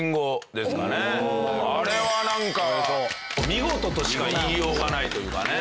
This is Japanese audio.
あれはなんか見事としか言いようがないというかね。